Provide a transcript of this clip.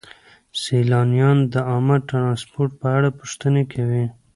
سیلانیان د عامه ترانسپورت په اړه پوښتنې کوي.